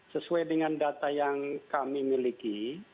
sesuai dengan data yang kami miliki